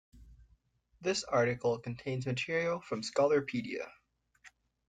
This article contains material from Scholarpedia.